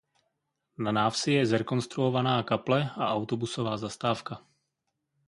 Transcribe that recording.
Na návsi je zrekonstruovaná kaple a autobusová zastávka.